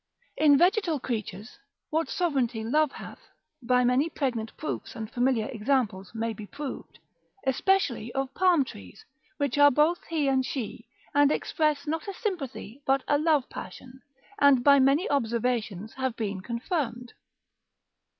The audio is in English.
In vegetal creatures what sovereignty love hath, by many pregnant proofs and familiar examples may be proved, especially of palm trees, which are both he and she, and express not a sympathy but a love passion, and by many observations have been confirmed.